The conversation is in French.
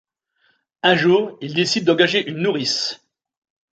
Un jour, ils décident d’engager une nourrice.